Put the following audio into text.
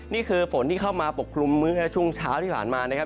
นี่คือฝนที่เข้ามาปกคลุมเมื่อช่วงเช้าที่ผ่านมานะครับ